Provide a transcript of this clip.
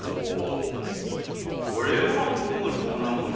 これは見事なものじゃが。